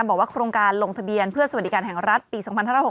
บอกว่าโครงการลงทะเบียนเพื่อสวัสดิการแห่งรัฐปี๒๕๖๖